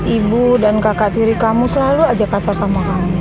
ibu dan kakak tiri kamu selalu aja kasar sama kamu